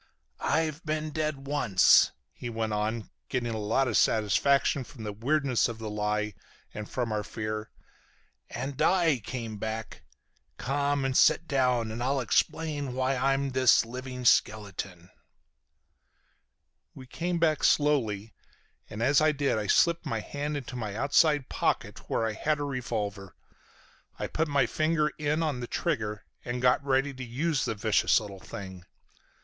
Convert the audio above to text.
"I've been dead once," he went on, getting a lot of satisfaction from the weirdness of the lie and from our fear, "and I came back. Come and sit down and I'll explain why I'm this living skeleton." We came back slowly, and as I did I slipped my hand into my outside pocket where I had a revolver. I put my finger in on the trigger and got ready to use the vicious little thing.